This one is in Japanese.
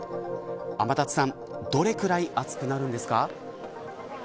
天達さんどれくらい暑くなるんですか。